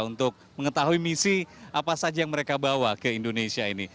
untuk mengetahui misi apa saja yang mereka bawa ke indonesia ini